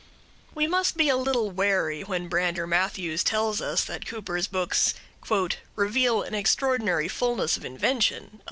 We must be a little wary when Brander Matthews tells us that Cooper's books "reveal an extraordinary fulness of invention."